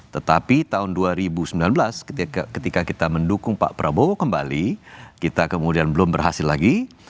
tetapi tahun dua ribu sembilan belas ketika kita mendukung pak prabowo kembali kita kemudian belum berhasil lagi